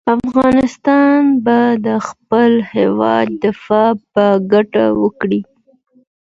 افغانان به د خپل هېواد دفاع په ګډه وکړي.